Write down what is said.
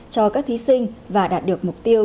cho các thí sinh và đạt được mục tiêu